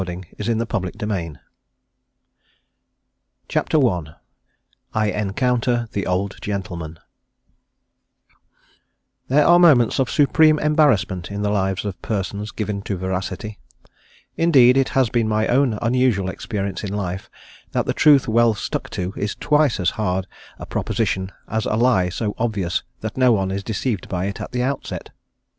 MUNCHAUSEN AN ACCOUNT OF HIS RECENT ADVENTURES I I ENCOUNTER THE OLD GENTLEMAN There are moments of supreme embarrassment in the lives of persons given to veracity, indeed it has been my own unusual experience in life that the truth well stuck to is twice as hard a proposition as a lie so obvious that no one is deceived by it at the outset.